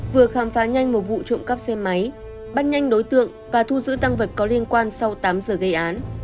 vừa khám phá nhanh một vụ trộm cắp xe máy bắt nhanh đối tượng và thu giữ tăng vật có liên quan sau tám giờ gây án